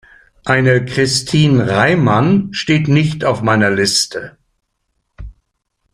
Eine Christin Reimann steht nicht auf meiner Liste.